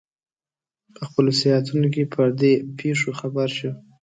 په خپلو سیاحتونو کې پر دې پېښو خبر شو.